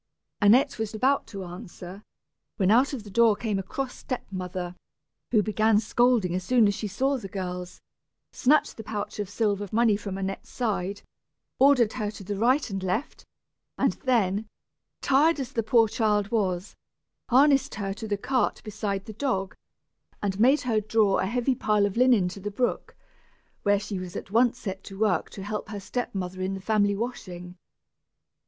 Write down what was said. Annette was about to answer, when out of the door came a cross step mother, who began scolding as soon as she saw the girls, snatched the pouch of silver money from Annette's side, ordered her to the right and left, and then, tired as the poor child was, harnessed her to the cart beside the dog, and made her draw a heavy pile of linen to the brook, where she was at once set to work to help her step mother in the family washing.